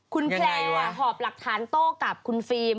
คุณแพลวหอบหลักฐานโต้กับคุณฟิล์ม